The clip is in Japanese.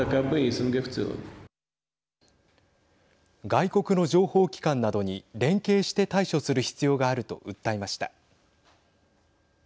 外国の情報機関などに連携して対処する必要があると訴えました。